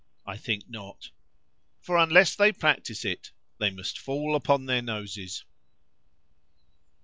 —I think not; for unless they practise it,——they must fall upon their noses.